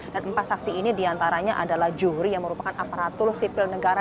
dan empat saksi ini diantaranya adalah juhri yang merupakan aparatur sipil negara